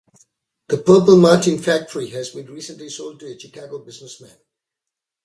The purple martin factory has been recently been sold to a Chicago businessman.